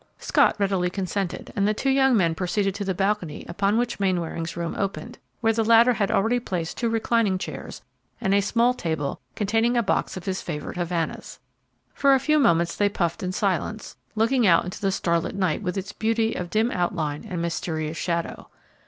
Scott readily consented, and the two young men proceeded to the balcony upon which Mainwaring's room opened, where the latter had already placed two reclining chairs and a small table containing a box of his favorite Havanas. For a few moments they puffed in silence, looking out into the starlit night with its beauty of dim outline and mysterious shadow.